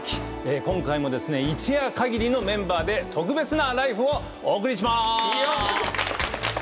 今回もですね一夜限りのメンバーで特別な「ＬＩＦＥ！」をお送りします！